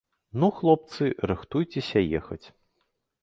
Ну, хлопцы, рыхтуйцеся ехаць.